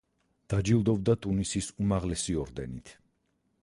დაჯილდოვდა ტუნისის უმაღლესი ორდენით.